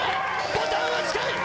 ボタンは近い！